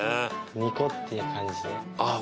ニコッていう感じであぁっ